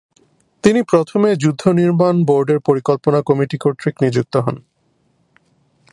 তিনি প্রথমে যুদ্ধ নির্মাণ বোর্ডের পরিকল্পনা কমিটি কর্তৃক নিযুক্ত হন।